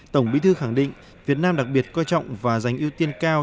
tổng bí thư khẳng định việt nam đặc biệt coi trọng và giành ưu tiên cao